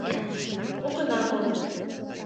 — Огына кол.